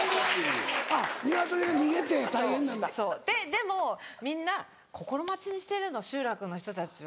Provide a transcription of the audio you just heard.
でもみんな心待ちにしてるの集落の人たちは。